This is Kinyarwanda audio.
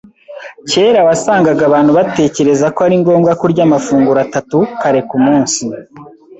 Kera wasangaga abantu batekereza ko ari ngombwa kurya amafunguro atatu kare kumunsi.